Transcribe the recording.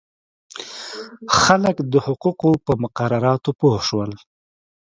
خلک د حقوقو په مقرراتو پوه شول.